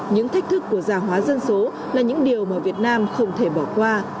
những thách thức của gia hóa dân số là những điều mà việt nam không thể bỏ qua